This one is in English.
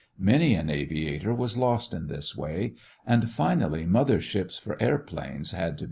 Many an aviator was lost in this way, and finally mother ships for airplanes had to be built.